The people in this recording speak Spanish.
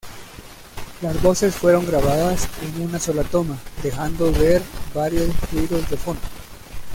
Las voces fueron grabadas en una sola toma, dejando ver varios ruidos de fondo.